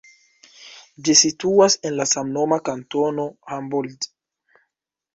Ĝi situas en la samnoma kantono Humboldt.